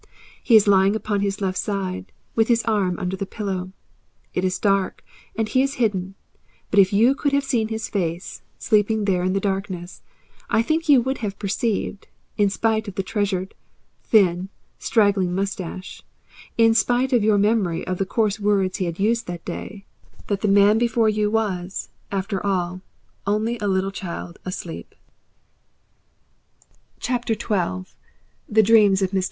He is lying upon his left side, with his arm under the pillow. It is dark, and he is hidden; but if you could have seen his face, sleeping there in the darkness, I think you would have perceived, in spite of that treasured, thin, and straggling moustache, in spite of your memory of the coarse words he had used that day, that the man before you was, after all, only a little child asleep. XII. THE DREAMS OF MR.